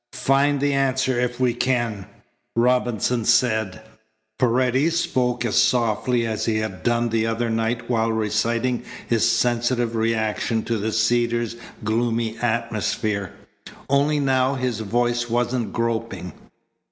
"Find the answer if we can," Robinson said. Paredes spoke as softly as he had done the other night while reciting his sensitive reaction to the Cedars's gloomy atmosphere. Only now his voice wasn't groping.